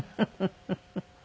フフフフ。